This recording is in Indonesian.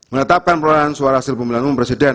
menetapkan perolahan suara hasil pemilihan umum presiden